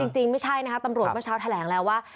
จริงไม่ใช่นะคะตำรวจเมื่อเช้าแถลงแล้วว่า